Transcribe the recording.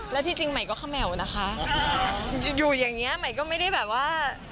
แล้วที่จริงใหม่ก็เขม่าวนะคะอยู่อย่างเงี้ใหม่ก็ไม่ได้แบบว่า